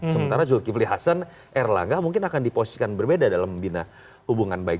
sementara zulkifli hasan erlangga mungkin akan diposisikan berbeda dalam membina hubungan baik